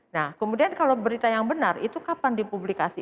nah kemudian kalau berita yang benar itu kapan dipublikasi